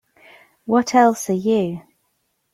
What else are you?